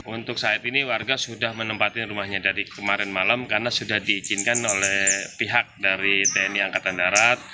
untuk saat ini warga sudah menempati rumahnya dari kemarin malam karena sudah diizinkan oleh pihak dari tni angkatan darat